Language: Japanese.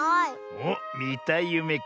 おっみたいゆめか。